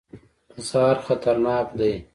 زهر خطرناک دی.